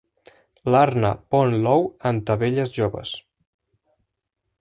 L'arna pon l'ou en tavelles joves.